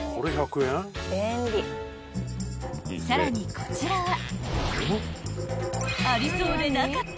［さらにこちらは］